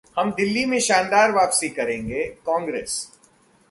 हम दिल्ली में शानदार वापसी करेंगे: कांग्रेस